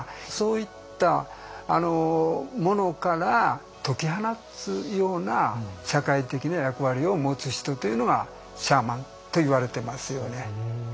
そういったものから解き放つような社会的な役割を持つ人というのがシャーマンといわれてますよね。